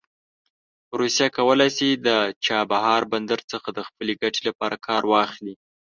روسیه کولی شي د چابهار بندر څخه د خپلې ګټې لپاره کار واخلي.